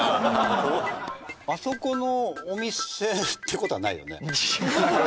あそこのお店って事はないよね？